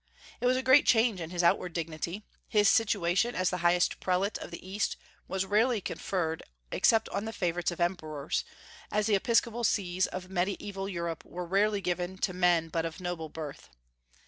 It was a great change in his outward dignity. His situation as the highest prelate of the East was rarely conferred except on the favorites of emperors, as the episcopal sees of Mediaeval Europe were rarely given to men but of noble birth.